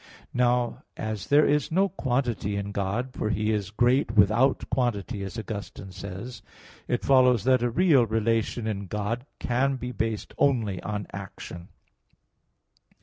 Now as there is no quantity in God, for He is great without quantity, as Augustine says (De Trin. i, 1) it follows that a real relation in God can be based only on action.